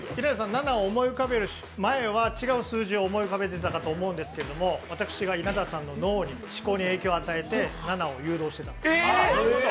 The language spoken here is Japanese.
７を思い浮かべる前は違う数字を思い浮かべてたかと思いますけど私が稲田さんの脳に、思考に影響を与えて、７を誘導してたんです。